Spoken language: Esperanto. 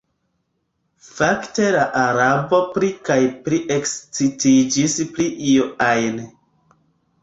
Fakte la Arabo pli kaj pli ekscitiĝis pri io ajn.